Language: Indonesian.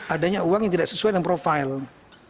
adanya uang yang tidak sesuai dengan profil